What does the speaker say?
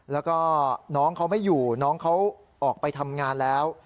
แล้วก็น้องเขาไม่อยู่น้องเขาออกไปทำงานแล้ว